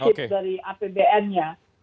dua triliun defisit dari apbn nya